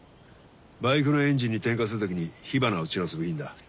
バイクのエンジンに点火する時に火花を散らす部品だ。